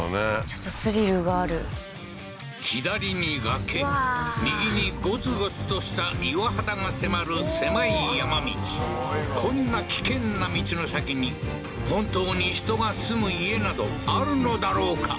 ちょっとスリルがある左に崖右にゴツゴツとした岩肌が迫る狭い山道こんな危険な道の先に本当に人が住む家などあるのだろうか？